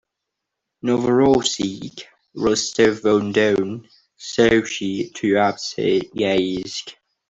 Novorossiysk, Rostov-on-Don, Sochi, Tuapse, Yeysk.